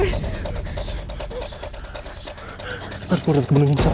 kita harus keluar dari kebun yang sama